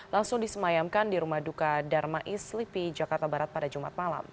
langsung disemayamkan di rumah duka darmais lipi jakarta barat pada jumat malam